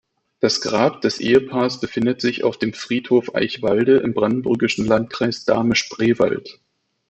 Das Grab des Ehepaars befindet sich auf dem Friedhof Eichwalde im brandenburgischen Landkreis Dahme-Spreewald.